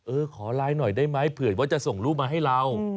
ขอไลน์หน่อยได้ไหมเผื่อว่าจะส่งรูปมาให้เรา